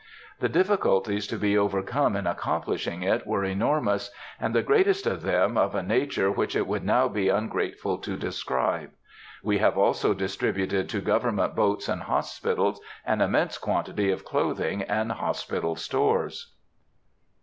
The difficulties to be overcome in accomplishing it were enormous, and the greatest of them of a nature which it would now be ungrateful to describe. We have also distributed to government boats and hospitals an immense quantity of clothing and hospital stores.